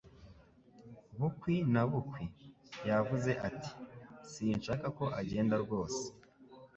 Bukwi na bukwi, yavuze ati: 'Sinshaka ko agenda rwose